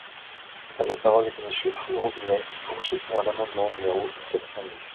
La parole est à Monsieur Arnaud Robinet, pour soutenir l’amendement numéro sept cent dix.